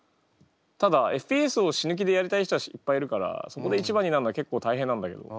ただＦＰＳを死ぬ気でやりたい人たちはいっぱいいるからそこで一番になるのは結構大変なんだけど。